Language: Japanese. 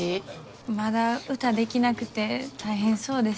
まだ歌できなくて大変そうです。